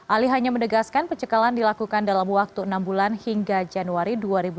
ali hanya menegaskan pencekalan dilakukan dalam waktu enam bulan hingga januari dua ribu dua puluh